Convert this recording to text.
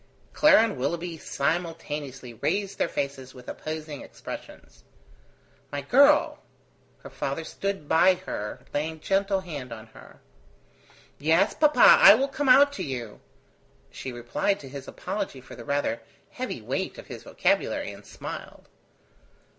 Clara and Willoughby simultaneously raised their faces with opposing expressions. "My girl!" Her father stood by her, laying gentle hand on her. "Yes, papa, I will come out to you," she replied to his apology for the rather heavy weight of his vocabulary, and smiled.